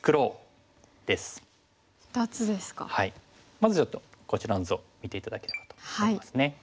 まずちょっとこちらの図を見て頂ければと思いますね。